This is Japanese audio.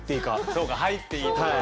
そうか入っていいところが。